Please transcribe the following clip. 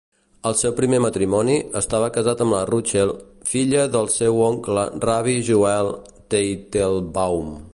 Al seu primer matrimoni, estava casat amb la Ruchel, filla del seu oncle Rabbi Joel Teitelbaum.